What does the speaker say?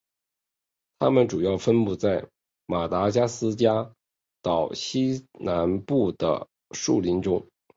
它们主要分布在马达加斯加岛西南部的树林中。